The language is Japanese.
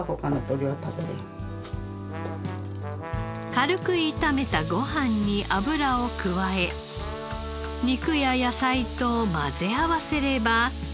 軽く炒めたご飯に脂を加え肉や野菜と混ぜ合わせれば。